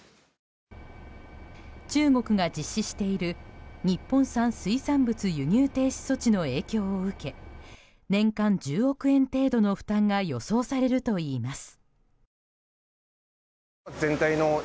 中国が実施している日本産水産物輸入停止措置の影響を受け年間１０億円程度の負担が予想されるといいます。